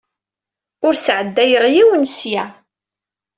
Ur d-sɛeddayeɣ yiwen seg-a.